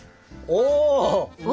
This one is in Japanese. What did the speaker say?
お！